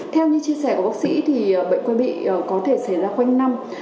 theo như chia sẻ của bác sĩ thì bệnh quay bị có thể xảy ra quanh năm